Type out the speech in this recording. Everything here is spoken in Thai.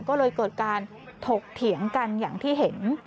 ก็เลยเกิดการถกเถียงกันอย่างที่เห็น